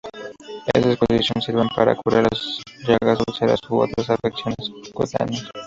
En decocción sirven para curar las llagas, úlceras u otras afecciones cutáneas.